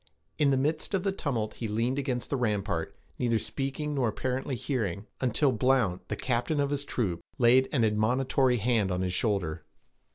In the midst of the tumult he leaned against the rampart, neither speaking nor apparently hearing, until Blount, the captain of his troop, laid an admonitory hand on his shoulder.